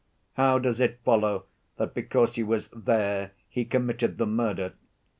How does it follow that because he was there he committed the murder?